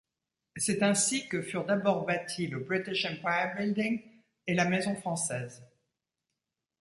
C'est ainsi que furent d'abord bâtis le British Empire Building et la Maison française.